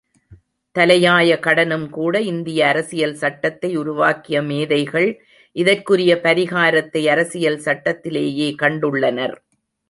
தலையாய கடனும் கூட இந்திய அரசியல் சட்டத்தை உருவாக்கிய மேதைகள் இதற்குரிய பரிகாரத்தை அரசியல் சட்டத்திலேயே கண்டுள்ளனர்.